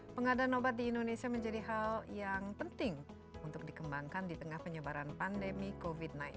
pengadaan obat di indonesia menjadi hal yang penting untuk dikembangkan di tengah penyebaran pandemi covid sembilan belas